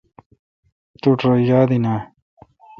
توٹھ رو یاد این اؘ۔